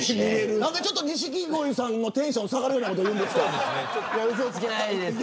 何でちょっと錦鯉さんのテンション下がるようなこと言うんですか。